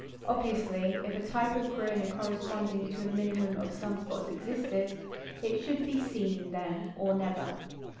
Obviously, if a type of corona corresponding to a minimum of sun spots existed, it should be seen then or never.